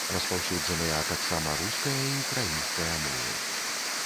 Распаўсюджаныя таксама руская і украінская мовы.